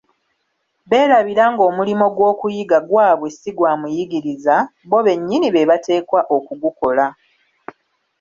Beerabira ng'omulimo gw'okuyiga gwabwe ssi gwa muyigiriza, bo bennyini be bateekwa okugukola.